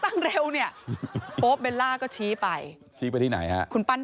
เร็วเนี่ยโป๊บเบลล่าก็ชี้ไปชี้ไปที่ไหนฮะคุณปั้น